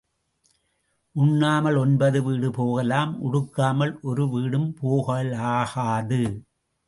உண்ணாமல் ஒன்பது வீடு போகலாம் உடுக்காமல் ஒரு வீடும் போகலாகாது.